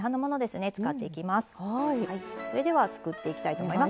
それでは作っていきたいと思います。